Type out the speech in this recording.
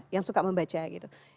yang suka membaca gitu